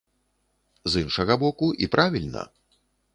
З іншага боку, і правільна.